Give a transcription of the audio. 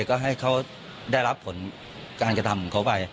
ก็ให้เขาได้รับผลการกระทำของเขาไป